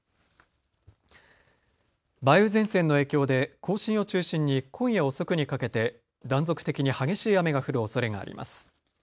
梅雨前線の影響で甲信を中心に今夜遅くにかけて断続的に激しい雨が降るおそれがあります。